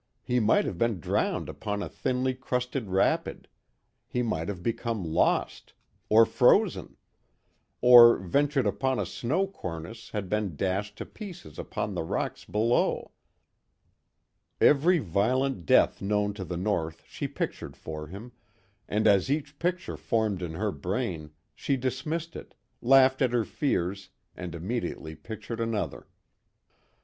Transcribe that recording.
He might have been drowned upon a thinly crusted rapid. He might have become lost. Or frozen. Or, ventured upon a snow cornice and been dashed to pieces upon the rocks below. Every violent death known to the North she pictured for him, and as each picture formed in her brain, she dismissed it, laughed at her fears, and immediately pictured another.